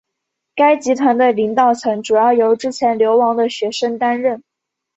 该集团的领导层主要由之前流亡的学生担任。